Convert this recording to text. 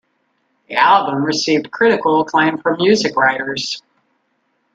The album received critical acclaim from music writers.